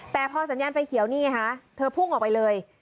แต่พอสัญญาณไฟเขียวนี่ไงคะเธอพุ่งออกไปเลย